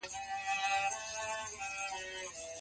ايا د سن توپير په ګډ ژوند اغېز لري؟